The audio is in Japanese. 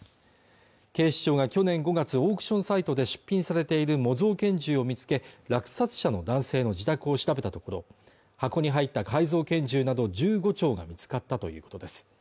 警視庁が去年５月オークションサイトで出品されている模造拳銃を見つけ落札者の男性の自宅を調べたところ箱に入った改造拳銃など１５丁が見つかったということです